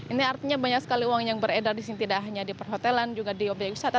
ini artinya banyak sekali uang yang beredar di sini tidak hanya di perhotelan juga di obyek wisata